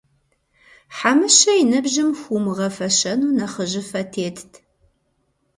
Хьэмыщэ и ныбжьым хуумыгъэфэщэну нэхъыжьыфэ тетт.